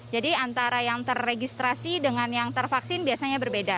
jadi antara yang terregistrasi dengan yang tervaksin biasanya berbeda